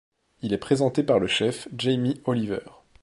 Il est présenté par le chef Jamie Oliver.